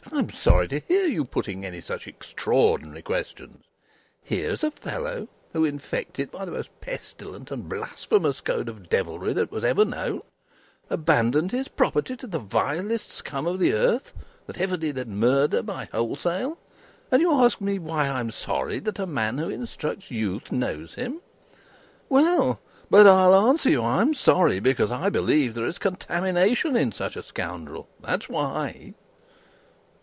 I am sorry to hear you putting any such extraordinary questions. Here is a fellow, who, infected by the most pestilent and blasphemous code of devilry that ever was known, abandoned his property to the vilest scum of the earth that ever did murder by wholesale, and you ask me why I am sorry that a man who instructs youth knows him? Well, but I'll answer you. I am sorry because I believe there is contamination in such a scoundrel. That's why."